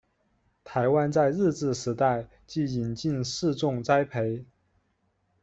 台湾在日治时代即引进试种栽培。